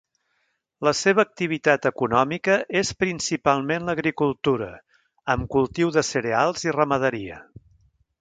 La seva activitat econòmica és principalment l'agricultura amb cultiu de cereals i ramaderia.